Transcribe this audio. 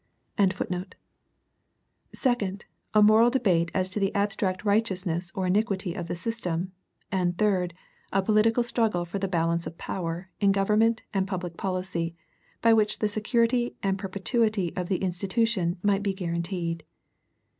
] second, a moral debate as to the abstract righteousness or iniquity of the system; and, third, a political struggle for the balance of power in government and public policy, by which the security and perpetuity of the institution might be guaranteed.